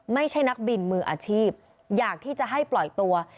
ไม่ใช่นักบินมืออาชีพอยากที่จะให้ปล่อยตัว